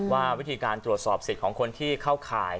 ว่าวิธีการตรวจสอบสิทธิ์ของคนที่เข้าข่าย